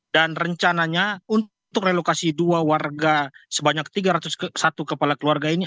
rencananya untuk relokasi dua warga sebanyak tiga ratus satu kepala keluarga ini